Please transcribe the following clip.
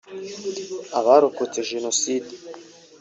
“Abarokotse Jenoside